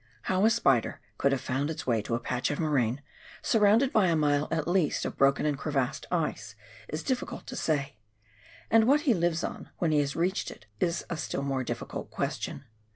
How a spider could have found its way to a patch of moraine, surrounded by a mile at least of broken and crevassed ice, is difficult to say ; and what he lives on when he has reached it, is a still more difficult question.